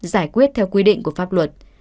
giải quyết theo quy định của pháp luật